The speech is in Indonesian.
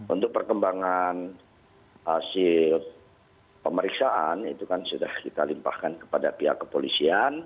untuk perkembangan hasil pemeriksaan itu kan sudah kita limpahkan kepada pihak kepolisian